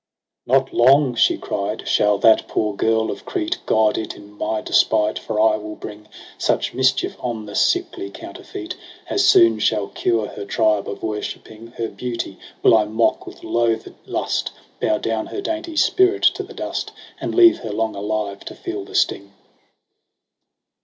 Not long,' she cried, ' shall that poor girl of Crete God it in my despite j for I will bring Such mischief on the sickly counterfeit As soon shall cure her tribe of worshipping : Her beauty will I mock with loathed lust. Bow down her dainty spirit to the dust. And leave her long alive to feel the sting."